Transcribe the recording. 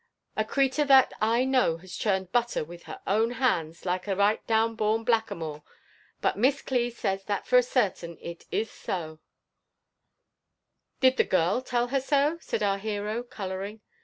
— ^a erelur that I know has churned butter with her own. bands like a right down born blackamoor; but MissCli says that for certain it is so/' Did the girl tell her so?" said our hero, colouring.